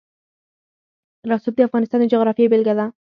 رسوب د افغانستان د جغرافیې بېلګه ده.